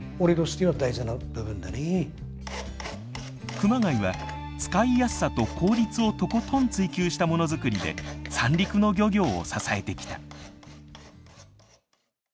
熊谷は使いやすさと効率をとことん追求したモノづくりで三陸の漁業を支えてきた。